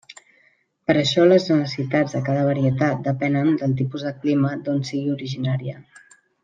Per això les necessitats de cada varietat depenen del tipus de clima d'on sigui originària.